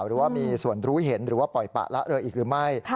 หรือว่ามีส่วนรู้เห็นหรือว่าปล่อยปะละเลยอีกหรือไม่